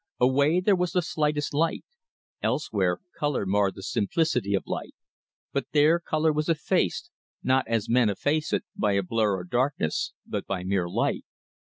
Away there was the sweetest light. Elsewhere colour marred the simplicity of light; but there colour was effaced, not as men efface it, by a blur or darkness, but by mere light.